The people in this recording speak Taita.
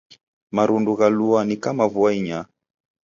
Marundu ghalua ni kama vua inyaa